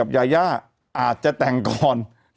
ล่าสุดครับผู้สื่อข่าวติดต่อไปที่เจ้าของเฟซบุ๊ก